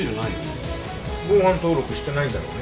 防犯登録してないんだろうね。